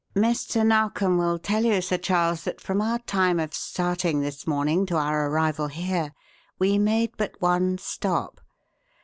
"Mr. Narkom will tell you, Sir Charles, that from our time of starting this morning to our arrival here we made but one stop.